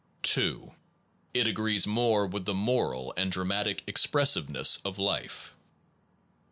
2. It agrees more with the moral and dra matic expressiveness of life.